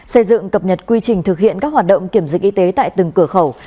xây dựng cập nhật quy trình thực hiện các hoạt động kiểm dịch y tế tại từng cửa khẩu